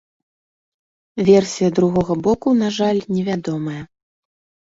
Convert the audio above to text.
Версія другога боку, на жаль, невядомая.